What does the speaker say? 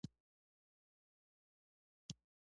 تقريباً د ټولو د برياوو تر شا د يوې مېرمنې مينه وه.